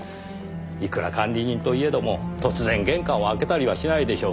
いくら管理人といえども突然玄関を開けたりはしないでしょう。